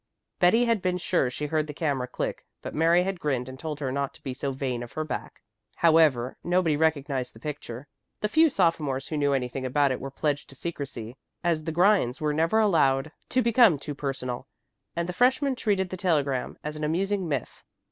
Betty had been sure she heard the camera click, but Mary had grinned and told her not to be so vain of her back. However, nobody recognized the picture. The few sophomores who knew anything about it were pledged to secrecy, as the grinds were never allowed to become too personal, and the freshmen treated the telegram as an amusing myth.